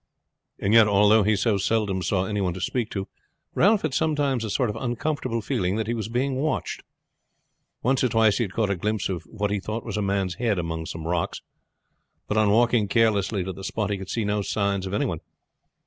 And yet although he so seldom saw any one to speak to, Ralph had sometimes a sort of uncomfortable feeling that he was being watched. Once or twice he had caught a glimpse of what he thought was a man's head among some rocks; but on walking carelessly to the spot he could see no signs of any one.